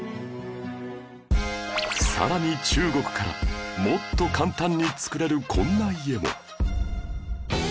更に中国からもっと簡単に造れるこんな家も